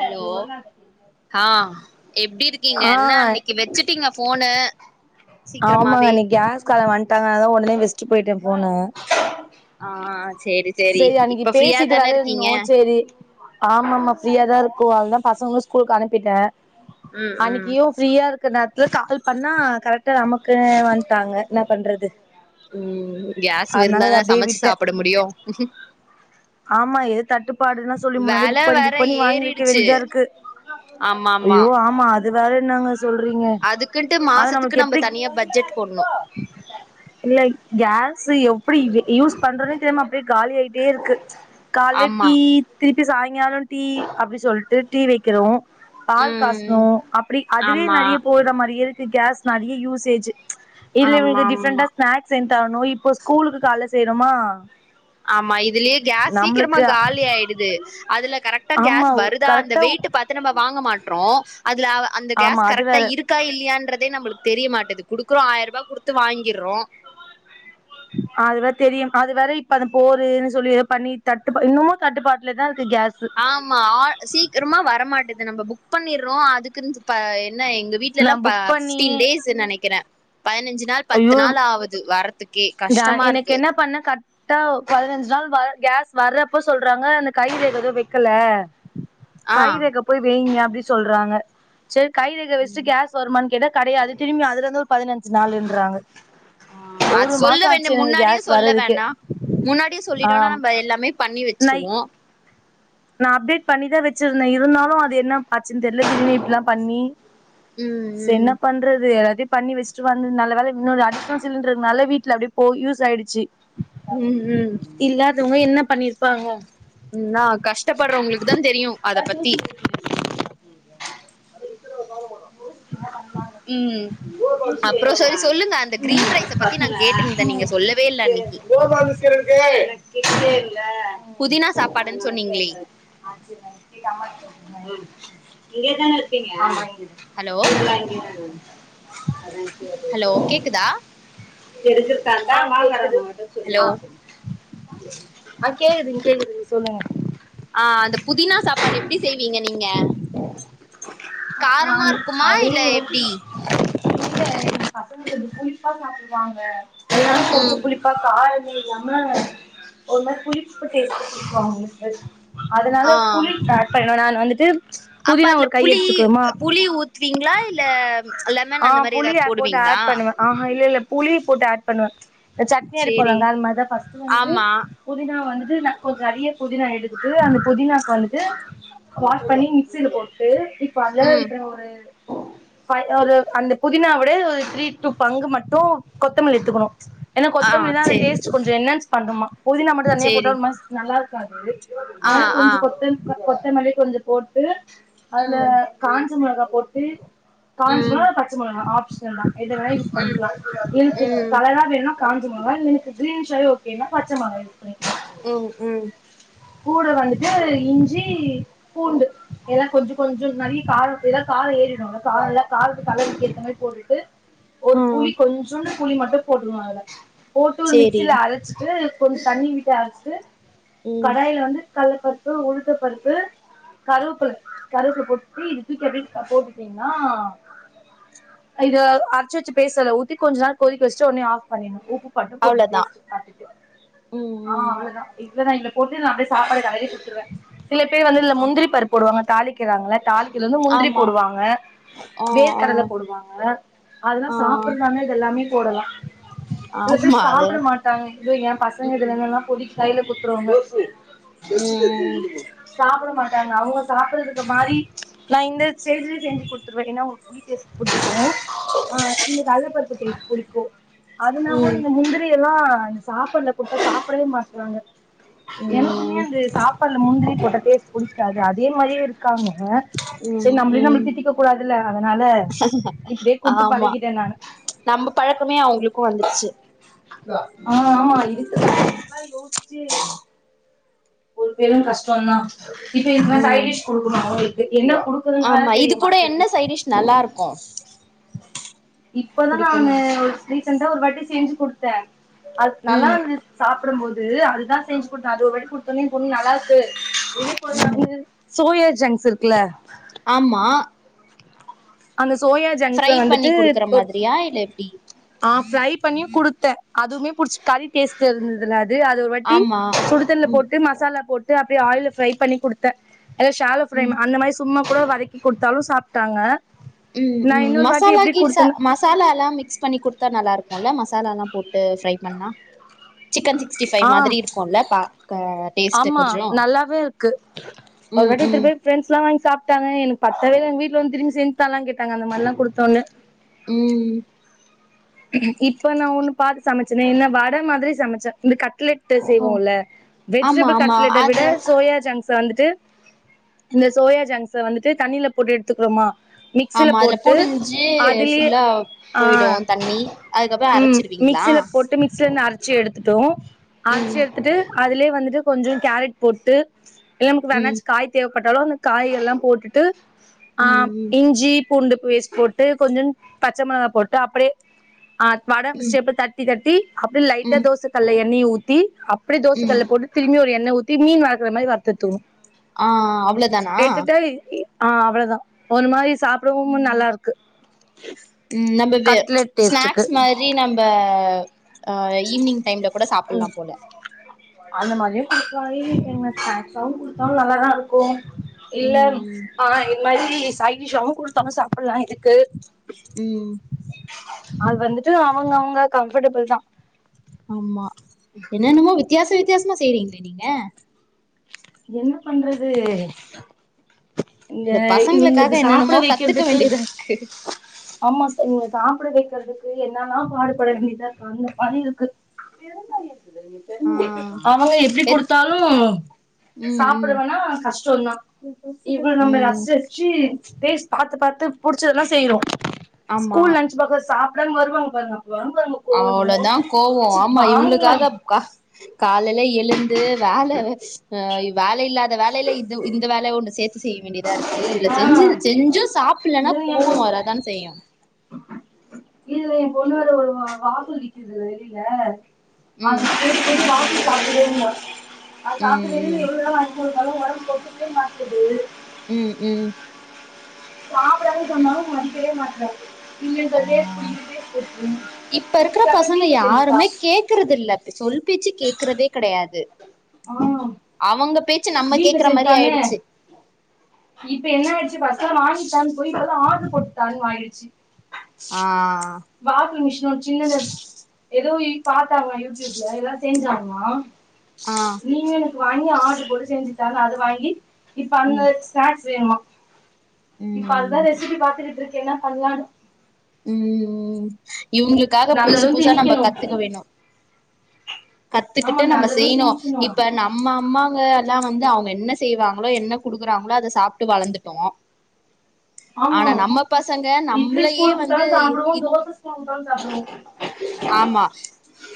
Hello ஆ எப்பிடி இருக்கீங்க ஆ என்னா அன்னைக்கி வெச்சுட்டீங்க போனு சீக்கிரமாவே ந அததா ஒடனே வெச்சட்டு போயிட்டே போன ஆ சேரி சேரி செரி அன்னைக்கி இப்ப ஃப்ரீயா பேசிட்டு தான வர இருந்தோ இருக்கீங்க செரி ஆமாம்மா ஃஸியா தா இருக்கோ அதா பசங்களு ஸ்கூலுக்கு அனுப்பிட்டே ம் ம் அன்னைக்கியு ஃப்ரீயா க்கு நேரத்துல கால் பண்ணா கரெக்டா நமக்கு வந்துட்டாங்க என்ன பண்றது ம் கேஸ் அதனால அத இருந்தான அப்டியே சமைச்சு விட்டே சாப்புட முடியு அ ஆமா இது தட்டுப்பாடுன்னு சொல்லி முன்னாடி வெல புக் பண்ணி வேற புக் பண்ணி வாங்கி வெக்க ஏறிடுச்சு வேண்டியதாருக்கு ஐயோ ஆமா அத் து வேற நாங்கஸ் அதுக்குன்ட்டு மாசத்துக்கு நம்ம தனியா பட்ஜெட் போன்னு கேஸு எப்பிடி எப் யூஸ் பண்றது தெரி மாட்து காலியாயிட்டே இருக்கு கால்ல ஆமா டீ திரிப் ட்டு சாய்ங்காலம் டீ அப்டி சொல்ட்டு டீ வெக்குறோ பால் காசுன்னு ம் அப்பிடி அதுவே ஆமா நெறைய போத மாரியே ட்டு கேஸ் நறைய யூசேஜி இதுல ஆமா இவுங்களுக்கு ஆமா டிஃப்ரெண்டா ஸ்நாக்ஸ் செஞ் தரணு இப்போ ஸ்கூலுக்கு கால்ல செய்றமா ஆமா இப் இதுலே கேஸ் சீக்கிரமா காலி ஆயிடுது அதுல கரெக்டா ஆமா கேஸ் வருதா அந்த கரெக்டா வெயிட்டு பாத்து நம்ம வாங்க மாட்றோ அதுல அவ அந்த ஆமா கேஸ் அது கரெக்டா வேற இருக்கா இல்லையான்றதே நம்முளுக்கு தெரிய மாட்டுது குடுக்கு ஆயரூபா குடுத்து வாங்கிற்றோ அது வே தெரியு அது வேற இப்ப அந்த போருன்னு சொல்லி ஏதோ பண்ணி தட்டுப் இன்னுமு தட்டுப்பாட்டுலதா இரு ஆமா ஆ சீக்கிரமா வரமாட்டுது இத நம்ம புக் பண்ணிடுறோ அதுக்குன்னு இப்ப என்ன எங்க நா வீட்லெல்லா புக் பண்ணி ஃபிப்டீன் டேஸுன்னு நெனைக்கிறே பதினஞ்சு அஞ்சு நாள் பத்து ஐயோ நாள் ஆவுது வர்றத்துக்கே கஷ்டமாருக்கு கர்ட்ட பதினஞ்சு நாள் வர் கேஸ் வர்றப்போ சொல்றாங்க அந்த கைரேக எதோ வெக்கல ஆ கைரேக போய் வெய்ங்க இப்டி சொல்றாங்க செரி கைரேக வெச்சுட்டு ம். கேஸ் வருமான் எது கெடையாது திரும்பி அதுலருந்து ஒரு பதினஞ்சு நாலு றாங்க ஆ அது சொல்ல வேண்டிய முன்னாடியே கேஸ் சொல்ல வர்றதுக்கே வேணா முன்னாடியே ஆ சொல்லிட்டோம்னா நம்ம எல்லாமே பண்ணி நை வச்சிருவோ நா அப்டேட் பண்ணிதா வச்சிருந்தே இருந்தாலு அது என்ன ஆச்சுன்னு தெரியில திரும்ப இப்டில்லா பண்ணி ம் ச என்ன ம் பண்றது எல்லாதயு பண்ணி வச்சிட்டு வந்துன் நல்ல வேள இன்னொரு அடிசனல் சிலண்டர்னால வீட்ல அப்டி போய் யூஸ் ஆயிடு சீ ம் ம் இல்லாதவ் அவ என்ன பண்ணிருப்பாங்க உண்னாக் கஷ்டப்படுறவங்களுக்கு தா தெரியு அத பத்தி பண்ணிருப்பாங்க [unintelligible] ம் அப்றோ ம் சரி சொல்லுங்க அந்த கிரீன் ரைஸ பசங்க பத்தி நா கேட்டுருந்தே நீங்க அம் சொல்லவே இல்ல அன்னைக்கு [unintelligible] கேக்குதேல் புதினா சாப்பாடுன் சொன்னீங் கேக்குறே [unintelligible] அம்மா கிட்ட இங்கேதான இருக்கீங்க ஆமாங் ஹலோ [unintelligible] ஹரி ஹலோ கேக்குதா தெரிஞ்சிருக்கா தா ஹலோ [unintelligible] ஆ கேக்குதுங் கேக்குது சொல்லுங்க ஆ அந்த புதினா சாப்பாடு எப்டி செய்வீங்க நீங்க காரமா இருக்குமா அது இல்ல எனக்கு எப்டி இல்ல எங்க கசந்தது புளிப்பா சாப்டுவாங்க ஏம் கொஞ்ச ம் புளிப்பா கா இல்லாம ஒரு மாரி புளிப்பு டேஸ்ட் புடிக்கு அவங்களுக்கு அதனால ஆ புளி தா பண்ண நான் வந்துட்டு அப்ப புதினா அதுல ஒரு கை புளி எடுத்துக்குறோமா புளி ஊத்துவீங்களா இல்ல லெமன் ஆ அந்த மாரி புளி ஏதாவது ஆட் போட்டு போடுவீங்களா ஆட் பண்ணுவே ஆஹா இல்ல இல்ல புளி போட்டு ஆட் பண்ணுவே இந்த சட்னி அரி சேரி போலாங்க அ மாரிதா பஸ்ட்டு வந்து ஆமா புதினா வந்து நா நெறைய புதினா எடுத்து அந்த புதினாக்கு வந்துட்டு வாஷ் பண்ணி மிக்சில போட்டு இப்ப அல்ல ம் இப்ப ஒரு ஒரு அந்த புதினா விட ஒரு த்ரீ டூ பங்கு மட்டு கொத்தமல்லி எத்துக்கணு ஏன்ன ஆ கொத்தமல்லி தா சேரி டேஸ்ட் கொஞ்ச என்ஹன்ஸ் பண்ணுமா புதினா மட்டு தனியா போட்ட சேரி ஒரு மாதிரி நல்லா காது ஆ கொஞ்ச கொத்த கொத்த மல்லி கொஞ்ச போட்டு அதுல ம் காஞ்ச மிளகா போட்டு காஞ்ச ம் மளகா பச்ச மளகா ஆப்ஷன்னல் தா எத வென்னா யூஸ் ம் பண்ணிக்கலா இருக்கு ம் கலரா வேணுனா காஞ்ச எனக்கு கிரீன் ஷ ஓகேனா பச்ச மிளகா யூஸ் பண்ணிக்கலா ம் ம் கூட வந்துட்டு இஞ்சி பூண்டு எல்லா கொஞ்சோ கொஞ்சோ நிறைய கார ஏதா காரம் ஏறிடுல கார எல்லா காரத்து அளவுக்கு எத்த மாதிரி போட்டுட்டு ஒரு ம் புலி கொஞ்சோனு புலி மட்டு போட்டுவு அதல போட்டு ஒரு சேரி மிக்சியில அரைச்சிட்டு கொஞ்ச தண்ணிவிட்டு ஆரச்சு ம் கடாயில வந்து கலா பருப்பு உளுந்த பருப்பு கருப்புல கருப்புல போட்டு இத தூக்கி அப்படி போட்டுட்டீங்கன்னா இது அரைச்சு வச்சு பேஸ அதுல ஊத்தி கொஞ்ச நேர கொதிக்க வச்சுட்டு உடனே ஆப் பண்ணிடனு உப் பண்ணு போடணும் அவ்ளோதா டேஸ்ட் பாத்துட்டு ம் ஆ ம் அவளதா [unintelligible] போட்டு நா அப்படியே சாப்பாடு களரி கொடுத்துருவ சில பேர் வந்து இல முந்திரி பருப் போடுவாங்க தாளிக்கிறாங்களா தாலி இதுல வந்து முந்திரி ஆமா போடுவாங்க ஆ ஆ வேர்க்கடல போடுவாங்க அதெல்லா ஆ சாப்பிடறந்தானே இது எல்லாமே போடலா சில ஆமா பேர் அது சாப்பிட மாட்டாங்க இதோ ஏ பசங்க ம் இதுகலல்லா பொடிக்கி கைல குத்துருவாங்கோ [unintelligible] வெச்சினு இருக்க ம் இன்னுமா சாப்புட மாட்டாங்க அவுங்க சாப்புட்றதுக்கு மாரி நா இந்த சேஞ்சி செஞ்சி குடுத்துருவே ஏன்னா ஈட்டியெஸ் புடிச்சுட்டே அ இந்த [unintelligible] [unintelligible] புளிப்போ அது நாவுன் ம் இந்த முந்திரி இதெல்லா சாப்பட்ல கொடுத்த சாப்பிடவே மாட்டுறாங்க எனக்குமே ம் அந்த சாப்பாடுல முந்திரி போட்ட டேஸ்ட்டு புடிக்காது அதே மாரியே இருக்காங்க அ சரி ம் நம்மளே நம்மள ம் திட்டிக்க கூடாதுல்ல அதனால இப்படியே குடுத்து ஆமா பழகிட்ட நானு நம்ம பழக்கமே அவங்களுக்கு வந்துருச்சு ஆமா ஆமா [unintelligible] யோசிச்சு ஒரு பேரும் கஷ்ட தா இப்போ [unintelligible] ம் சைடிஷ் கொடுக்கணு [unintelligible] என்ன கொடுகிறதுனாலு ஆமா இது தெரியு கூட என்ன மாட்டுது சைடிஷ் நல்லா இருக்கு இப்பதா நாங்க குடுக்கமா ரீசன்டா ஒரு வாட்டி செஞ்சி குடுத்த அது நல்லா ம் இருந்ச் சாப் சாப்டும்போது அது தா செஞ்சு கொடுத்த அது ஒரு வடி குடுத் பொன்னி பொன்னி நல்லா இருக்கு ம் சோயா ஜங்க்ஸ் இருக்குல ஆமா அந்த சோயா ஜங்ஸ்ஸ ஃப்ரை பண்ணி வந்துட்டு குடுக்குற ஒரு மாதிரியா இல்ல எப்டி ஆ ஃப்ரை பண்ணியு கொடுத்த அதுவுமே புடிச் கறி டேஸ்ட் இருந்ததுல அது அதுஒருவட்டி ஆமா சுடுதண்ணில ம் போட்டு மசாலா போட்டு விட்டு அப்டியே ஆயில்ல ஃப்ரை பண்ணி கொடுத்த அத ஷால ஃப்ரை ம் அந்த மாரி சும்மா கூட வதக்கி கொடுத்தாலு சாப்ட்டாங்க ம் நா ம் இன்னொரு வாட்டி மசாலா எப்டி கீச குடுத்தேன்னா மசாலா எல்லா மிக்ஸ் பண்ணி கொடுத்தா நல்லா இருக்குல்ல மசாலா எல்லாம் போட்டு ட்டு ஃப்ரை பண்ணா சிக்கன் சிக்ஸ்டி ஃவைவ் ஆ மாதிரி இருக்குல்ல பாக்க டேஸ்ட்டு ஆமா கொஞ்சோ நல்லாவே இருக்கு ஒரு ம் வாட்டி ம் திருப்பி ஃப்ரெண்ட்ஸ்லா வாங்கி சாப்ட்டாங்க எனக்கு பத்துவே இல்ல எங் வீட்ல வந்து திரும்பி செஞ்சு தாலான்னு கேட்டாங்க அந்த மாரிலா குடுத்தோன்ன ம் இப்ப நா ஒண்ணு பாத்து சமச்சனே என்ன வட மாரி சமச்ச இந்த கட்லெட் ட்ட ஓ செய்வோம்ல ஆமா வெஜிடபிள் ஆமா கட்லெட்ட விட அது சோயா ஜங்க்ஸ் வந்துட்டு இந்த சோயா ஜங்ஸ் வந்துட்டு தண்ணில போட்டு எடுத்துக்கிறோமா மிக்சில ஆமா அதுல போட்டு புடிஞ்சு அதுலயே ஃபுல்லா ஆ போயிடு தண்ணி அதுக்கப்புறம் அரச்சிடுவீங்களா ச்சு எடுத்துட்டோ ஆட்சி எடுத்துட்டு அதுலே வந்துட்டு கொஞ்ச கேரட் போட்டு இல்ல நமக்கு ம் வெண்ணாச் காய் தேவ் பட்டாலு அந்த காய் எல்லா போட்டுட்டு ஆ ம் இஞ்சி பூண்டு பேஸ்ட் போட்டு கொஞ்சோன் பச்ச மெளகா போட்டு அப்டே ஆ வடம் ம் ம் ஷேப் ல தட்டி தட் டி அப்டே லைட்டா ம் தோச கல்ல ண்ணி ஊத்தி அப் அப்டே தோச ம் கல்ல போட்டு [unintelligible] ஒரு எண்ண ஊத்தி மீன் வர்க்கற மாரி வர்த்து எத்துக்குணு ஆ அவ்ள தானா ஆ அவ்ள தா ஒரு மாரி சாப்டவு நல்லாருக்கு ம் நம்ப வே கட்லெட் டேஸ்ட்டுக்கு ஸ்நாக்ஸ் மாரி நம்ப ஆ ஈவினிங் டைம்ல கூட சாப்புல்லா போல அந்த மாரியு குடுக்லா ஈவ்னிங் டைம்ல ஸ்நாக்ஸ்சாவு குடுத்தாலு நல்லாதாருக்கு இல்ல ம் ம் ஆ இது மாரி டீ சைடிஷாவு குடுத்தாலு சாப்புல்லா இதுக்கு ம் அது வந்துட்டு அவங்க அவங்க கம்ஃபட்டபுள் தா ஆமா என்னனுமோ வித்தியாச வித் த்தியாசமா செய்றீங்ளே நீங்க என்ன பண்றது இங்க இந்த பசங்களுக்காக இவங்குளுக்கு சாப்ட என்னென்னமோ கத்துக்க வைக்றத்துக்கு வேண்டியதா இருக்கு ஆம்மா ச இவங்க சாப்ட வைக்கறதுக் து என்னல்லா பாடுபட வேண்டிதாருக்கு அந்த மாரிருக்கு ஆ [inaudible] அவங்க எப்டி எத் குடுத்தாலு ம் ம் சாப்டுவானா கஷ்டோந்தா இவ்ளு நம்ப ம் [unintelligible] டேஸ் பாத்து பாத்து புடிச்சதுல்லா செய்றோ ஆமா ஸ்கூல் லன்ச் பாக சாப் டமா வருவாங்க பாருங்க வரும் பாருங்க கோவோ அவ்ளோதா கோவோ வச்சு ஆமா வாங்கலா இவங்ளுக்காக கா காலைல எழுந் து வேல வே ஆ இல்லாத வேலையில இத்து இந்த வேலைய ஒன்னு சேர்த்து த்து செய்ய வேண்டியதா இருக்கு இதுல ஆ செஞ்சு செஞ்சும் சாப்பல்லன்னா இதுல எ கோவம் பொண்ணு வராதான செய்யும் இதுல எ பொண்ணு வேர ஒரு வாச விக்குது வெளில ஆ ம் செரி செரி வா பாத்துட்டே இருந்த அது சாப்ர்ரே‌ ம் ம் எவ்ளோ வென ஒரு களுவு உடம்புக் ஒத்துகவே மாட்டுது உம் உம் சாப்படாத சொன்னாலும் மதிக்கவே மாட்றா இல்ல இந்த ஆ டேஸ்ட் புடிக்கல டேஸ்ட் புடிக்கலன்னு இப்ப இருக்கிற அப்றோ பசங்க வீட்ல செஞ்சுட்டா யாருமே கேக்குறது இல்லப் சொல் பேச்சே கேக்குறதே கிடையாது து ஆ அவங்க பேச்சு நம்ம வீட்ல கேக்குற மாரி செஞ்சுட்டான்னு ஆயிடுச்சு தா வாங்கித்தான்னு போய் இப்பல்லா ஆடர் போட்டுதான்னு மாறிடுச்சு ஆ பாப்பு மிஷி சின்னத ஏதோ இ பார்த்தாங்க யூடியூப்ல ஏதா செஞ்சாங்கலா ஆ நீங்க வாங்கி ஆடர் போட்டு செஞ்சுத்தான்னு அத வாங்கி இப்ப அங்க ம் ஸ்நாக்ஸ் செமா இப்ப அதுதா ம் ரெசிபி பாத்துட்டு இருக் என்னா பண்ணலானு உம் இவங்களுக்காக புதுசு நல்லதும் புதுசா நம்ம திணிக்கணும் கத்துக்க வேணு ஆமா கத்துக்கிட்டு நம்ம நல்லதும் செய்யணும் திணிக்கணு இப்ப நம்ம அம்மாங்க எல்லா வந்து அவங்க என்ன செய்வாங்களோ என்ன குடுக்குறாங்களோ அத சாப்ட்டு வளர்ந்துட்டோ ஆமா இட்லி நம்மளையே ஸ்கூல் வந்து கொடுதலு சாப்பிடுவோ தோச கொடுதலு சாப்பிடுவோ ஆமா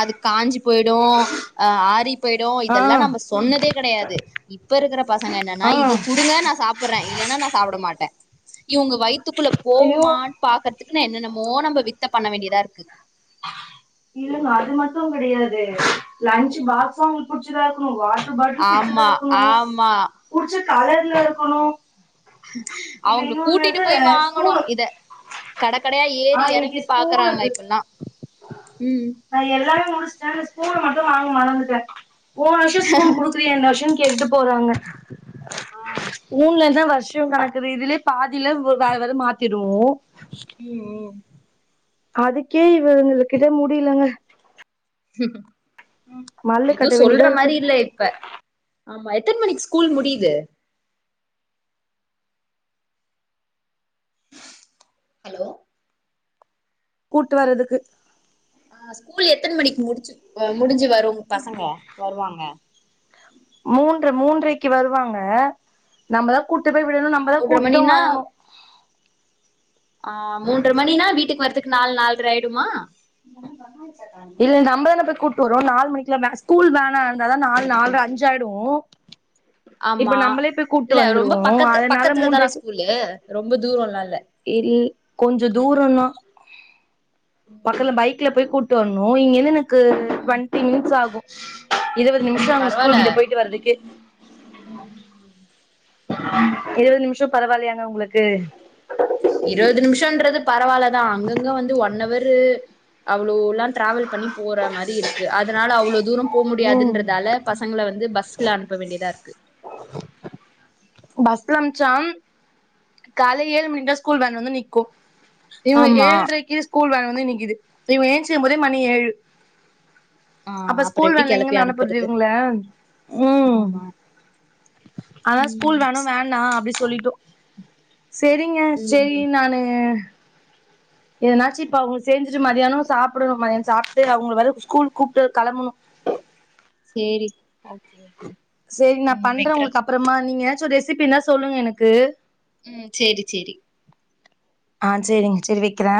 அது காஞ்சி போயிடும் அ ஆரி போயிடும் ஆ இதெல்லாம் நம்ம சொன்னதே கிடையாது இப்ப இருக்கிற பசங்க என்னன்னா ஆ இது குடுங்க நா சாப்பிடுறேன் இல்லன்னா நா சாப்பிட மாட்டே இவங்க வயத்த துக்குள்ள ஐயோ போகுமான்னு பார்க்கற இக்குன்னா என்னென்னமோ நம்ம வித்த பண்ண வேண்டியதா இருக்கு இல்லங்க அது மட்டும் கிடையாது லஞ்சு பாக்ஸ் அவங்களுக்கு பிடிச்சதா இருக்கனு வாட்டர் பாட்டில் புடிச்சதா ஆமா இருக்கணும் ஆமா புடிச்ச கலர் ல கணும் அவுங்களுக் கூட்டிட்டு போய் வாங்கனு ஸ்பூனு இத கடக் கடயா ஆ ஏறி இன்னைக்கு எறங்கி பாக்கறாங்க இப்பெல்லா அ எல்லாரு முடிச் ஏங்க ஸ்பூனு மட்டு வாங்க மறந்துட்டே போன வர்ஷோ ஸ்பூன் குடுக்குறியே இந்த வர்ஷோ கேட்டுட்டு போறாங்க ஆ ஊன்லந் த வர்ஷோ நடக்குது இதுலேயே பாதில ஒர் வ வர மாத்திடு ம் ம் அதுக்கே இவங்களு கிட்ட முடியலங்க ஹ மல்லு கட்ட வேண்டிதாருக்கு இல்ல இப்ப ஆமா எத்தன் மணிக் ஸ்கூல் முடியிது ஹலோ கூட்டு வரதுக்கு அ ஸ்கூல் எத்தன் மணிக் முடிச்சி வ முடிஞ்சு வ ரு பசங்க வருவாங்க மூன்று மூன்றைக்கு வருவாங்க நம்பதா கூட்டு போய் விடணு ஆ நம்பதா மூன்ற கூட்டிட்டு மணினா வரணு ஆ மூன்ற மணினா வீட்டுக் வர்துக்கு நால் நால்ர ஆயிடுமா இல்ல நம்பதான போய் கூட்டு வரோ நாலு மணிக்லா மே ஸ்கூல் வேனாருந்தாதா நால் நால்ர அஞ்சாயிடூ ஆமா இல்ல ரொம்ப வந்துருவோ பக்கத்து அதனால பக்கத்துல தானா மூன்றைக்கு ஸ்கூலு ரொம்ப தூரோ எல்லா இல்ல இல் கொஞ்சோ தூரோதா பகல்ல ம் பைக்கில போய் கூட் தோ நோயிங் என்னன்னு க்கு ம் டொவெண்ட்டி மினிட்ஸ் ஆகு இருவது ம் நிமிஷோ அங்க பரவால்ல ஸ்கூல் கிட்ட போயிட்டு வர்றதுக்கு ம் ம் இருவது நிமிஷோ பரவால்லையாங்க உங்களுக்கு இருவது நிமிஷன்றது பரவால்லதா அங்கங்க வந்து ஒன் அவரு அவ்ளோல்லா டிராவல் பண்ணி போற மாரி இருக்கு அதனால அவ்ளோ தூரோ போ ம் முடியாதுன்றதால பசங்கள வந்து பஸ்ல அனுப்ப வேண்டியதா இருக்கு பஸ்ல மிச்சம் கால ஏழு மணிக்லா ஸ்கூல் வேன் வந்து நிக்கு இவுங்க ஆமா ஏழ்ரைக்கு ஸ்கூல் வே வந்து நிக்கிது இவுங்க ஏஞ்ச்சிகுபோதே மணி ஏழு ஆ அப்ப அப்றோ ஸ்கூல் எப்டி வேன்ல கெளப்பி எங்கன் அனுப்றது அனுப்புறது இவுங்கள ம் ஆமா அதா ஸ்கூல் ம் வேனு வேண்ணா அப்டி சொல்லிட்டோ சரிங்க சரி ம் நானு எனாச்சு இப்ப அவங்க சேஞ்சுட்டு மதியான சாப்படணு மத்தியான சாப்ட்டு அவங்கல வேற ஸ்கூல் கூப்ட்டு கெளம்பணு சேரி ஓகே ஓகே சரி நா ம் பண்றே உங்களுக்கு வெக்கிறப்பா அப்பறமா நீங்க சு ரெசிபினா சொல்லுங்க எனக்கு ம் சரி சரி ஆ சரிங்க சரி வைக்கிறே